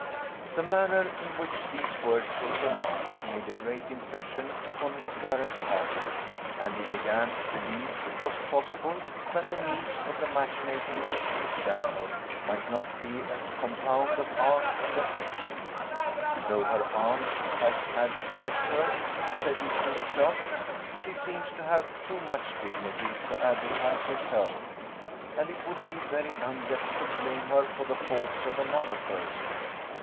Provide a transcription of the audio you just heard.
The manner in which these words were pronounced made a great impression upon Clarence Hervey, and he began to believe it was possible that a niece of the match making Mrs. Stanhope might not be "a compound of art and affectation." "Though her aunt has advertised her," said he to himself, "she seems to have too much dignity to advertise herself, and it would be very unjust to blame her for the faults of another person.